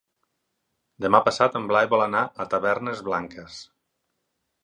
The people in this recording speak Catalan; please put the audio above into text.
Demà passat en Blai vol anar a Tavernes Blanques.